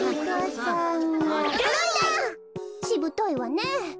しぶといわねえ。